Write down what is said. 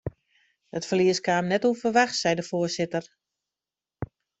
It ferlies kaam net ûnferwachts, seit de foarsitter.